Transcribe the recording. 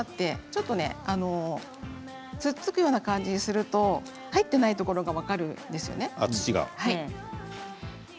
ちょっとつっつくような感じにすると入っていないところが土が？